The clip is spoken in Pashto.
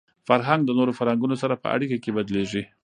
فرهنګ د نورو فرهنګونو سره په اړیکه کي بدلېږي.